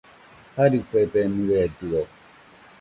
Jarɨfebemɨedɨo